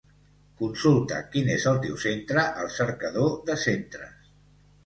Consulta quin és el teu centre al cercador de centres.